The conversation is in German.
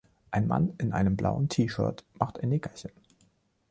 Ein Mann in einem blauen T-Shirt macht ein Nickerchen